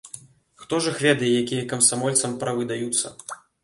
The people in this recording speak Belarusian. Хто ж іх ведае, якія камсамольцам правы даюцца.